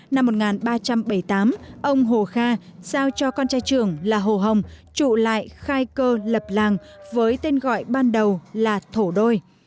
năm một nghìn ba trăm bảy mươi tám ông hồ kha giao cho con trai trưởng là hồ hồng trụ lại khai cơ lập làng với tên gọi ban đầu là thổ đôi